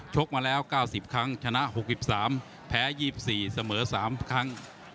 กมาแล้ว๙๐ครั้งชนะ๖๓แพ้๒๔เสมอ๓ครั้ง